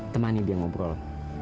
temani dia ngobrol